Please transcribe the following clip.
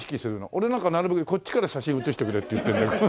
俺なんかなるべくこっちから写真写してくれって言ってる。